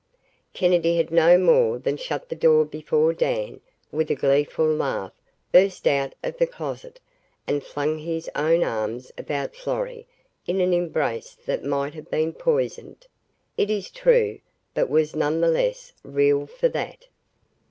Kennedy had no more than shut the door before Dan, with a gleeful laugh, burst out of the closet and flung his own arms about Florrie in an embrace that might have been poisoned, it is true, but was none the less real for that.